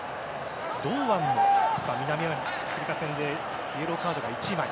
堂安も南アフリカ戦でイエローカードが１枚。